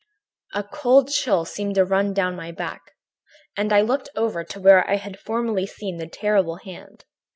"A cold chill seemed to run down my back, and I looked over to where I had formerly seen the terrible hand.